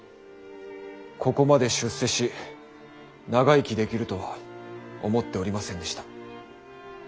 ここまで出世し長生きできるとは思っておりませんでした。